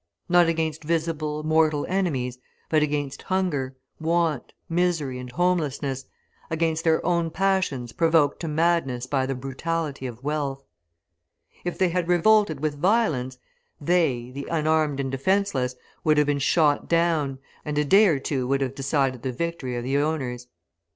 Not against visible, mortal enemies, but against hunger, want, misery, and homelessness, against their own passions provoked to madness by the brutality of wealth. If they had revolted with violence, they, the unarmed and defenceless, would have been shot down, and a day or two would have decided the victory of the owners.